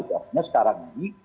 artinya sekarang ini